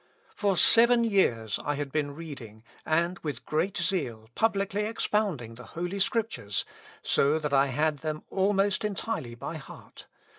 For seven years I had been reading, and, with great zeal, publicly expounding the Holy Scriptures, so that I had them almost entirely by heart.